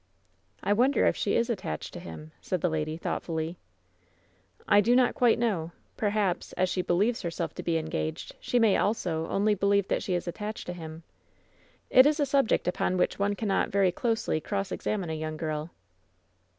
"I wonder if she is attached to him," said the lady, thoughtfully. "I do not quite know. Perhaps, as she believes her* self to be engaged, she may also only believe that she is attached to him. It is a subject upon which one cannot very closely cross examine a young girl."